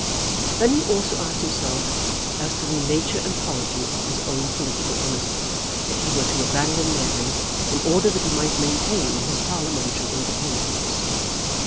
Then he also asked himself as to the nature and quality of his own political honesty if he were to abandon Mary in order that he might maintain his parliamentary independence.